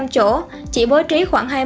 bốn mươi năm chỗ chỉ bố trí khoảng